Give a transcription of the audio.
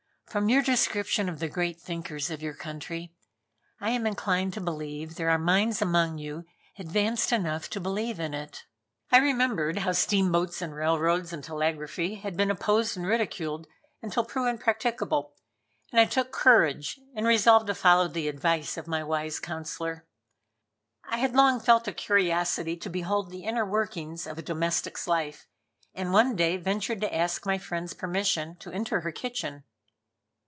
From your description of the great thinkers of your country, I am inclined to believe there are minds among you advanced enough to believe in it." I remembered how steamboats and railroads and telegraphy had been opposed and ridiculed until proven practicable, and I took courage and resolved to follow the advice of my wise counselor. I had long felt a curiosity to behold the inner workings of a domestic's life, and one day ventured to ask my friend's permission to enter her kitchen.